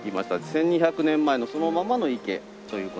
１２００年前のそのままの池という事になりますね。